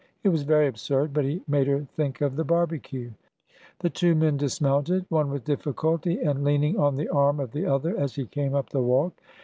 It was very absurd, but he made her think of the barbecue. The two men dismounted, one with difficulty and lean ing on the arm of the other as he came up the walk.